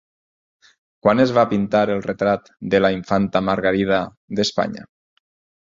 Quan es va pintar el retrat de la infanta Margarida d'Espanya?